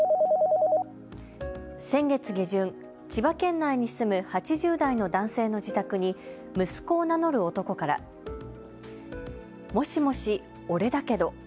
先月下旬、千葉県内に住む８０代の男性の自宅に息子を名乗る男からもしもし、オレだけど。